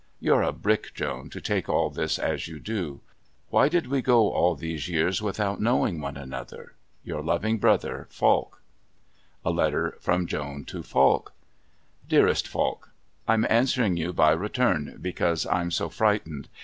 You're a brick, Joan, to take all this as you do. Why did we go all these years without knowing one another? Your loving brother, FALK. A letter from Joan to Falk. DEAREST FALK I'm answering you by return because I'm so frightened.